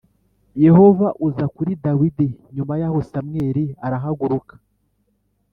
Yehova uza kuri Dawidi Nyuma yaho Samweli arahaguruka